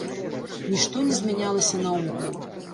Нішто не змянялася наогул.